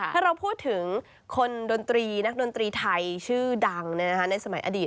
ถ้าเราพูดถึงคนดนตรีนักดนตรีไทยชื่อดังในสมัยอดีต